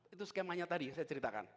itu skemanya tadi saya ceritakan